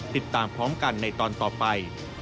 ติดตามพร้อมกันในตอนต่อไป